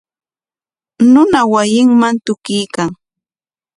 Runa wasinman kutiykan.